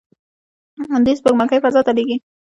دوی سپوږمکۍ فضا ته لیږي.